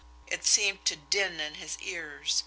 It seemed to din in his ears.